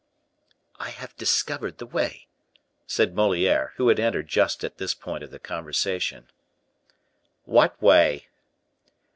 "I have discovered the way," said Moliere, who had entered just at this point of the conversation. "What way?"